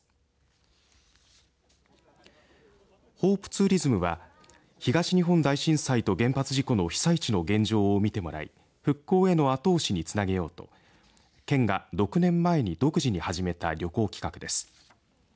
ツーリズムは東日本大震災と原発事故の被災地の現状を見てもらい復興への後押しにつなげようと県が６年前に独自に始めた旅行企画です。